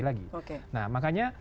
lagi nah makanya